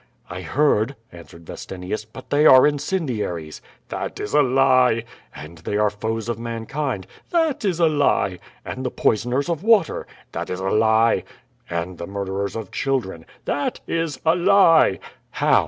"I heard," answered Vestinius, "but they are incendiaries." "That is a lie." "And thev arc foes of mankind." "That is a lie." "And the jwisoners of water." "That is a He." "And the murderers of children." "That is a lie." "How?"